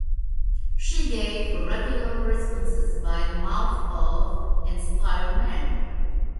She gave oracular responses by the mouth of inspired men.